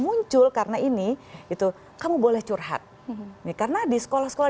muncul karena ini itu kamu boleh curhat karena di sekolah sekolah